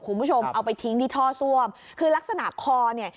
คุณผู้ชมเอาไปทิ้งที่ท่อซ่วมคือลักษณะคอเนี่ย